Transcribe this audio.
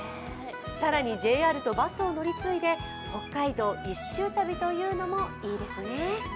更に、ＪＲとバスを乗り継いで北海道一周旅というのもいいですね。